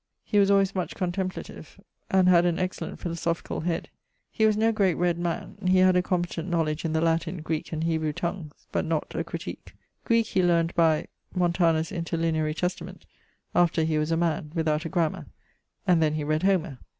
He was alwayes much contemplative, and had an excellent philosophicall head. He was no great read man; he had a competent knowledge in the Latin, Greeke, and Hebrue tongues, but not a critique. Greeke he learn'd by ... Montanus's Interlineary Testament, after he was a man, without a grammar, and then he read Homer.